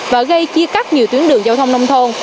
và gây chia cắt nhiều tuyến đường giao thông nông thôn